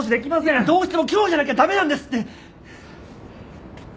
・どうしても今日じゃなきゃ駄目なんですって！